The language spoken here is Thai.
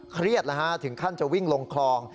เครียดถึงขั้นจะวิ่งลงคลอง